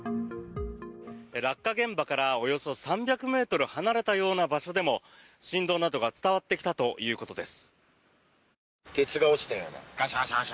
落下現場からおよそ３００ｍ離れたような場所でも振動などが伝わってきたということです。